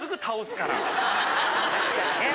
確かにね。